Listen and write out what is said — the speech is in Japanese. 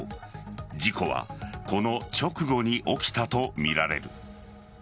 事故はこの直後に起きたとみられる。